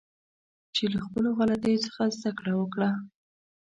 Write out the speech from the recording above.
چې له خپلو غلطیو څخه زده کړه وکړه